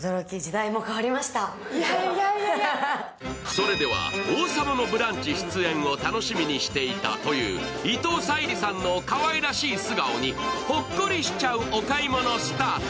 それでは「王様のブランチ」出演を楽しみにしていたという伊藤沙莉さんのかわいらしい素顔にほっこりしちゃうお買い物スタート。